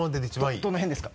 どの辺ですか？